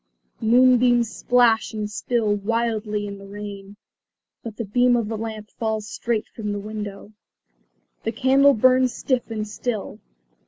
Moonbeams splash and spill wildly in the rain. But the beam of the lamp falls straight from the window. The candle burns stiff and still.